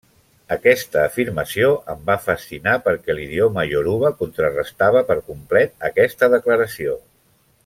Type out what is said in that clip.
Aquesta afirmació em va fascinar perquè l'idioma ioruba contrarestava per complet aquesta declaració.